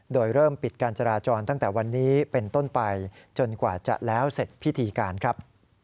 โดยเริ่มปิดการจราจรตั้งแต่วันนี้เป็นต้นไปจนกว่าจะแล้วเสร็จพิธีการครับ